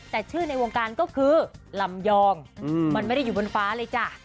แต่ชื่อในวงการก็คือลำยองมันไม่ได้อยู่บนฟ้าเลยจ้ะ